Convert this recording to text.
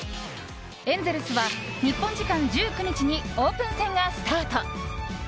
エンゼルスは日本時間１９日にオープン戦がスタート。